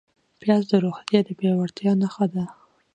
پیاز د روغتیا د پیاوړتیا نښه ده